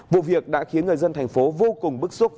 vụ việc đã khiến người dân thành phố vô cùng bức xúc